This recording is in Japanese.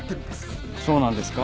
そうなんですか？